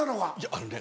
あのね